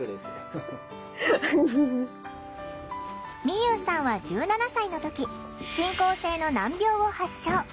みゆうさんは１７歳の時進行性の難病を発症。